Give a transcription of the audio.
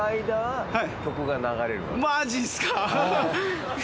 マジっすか？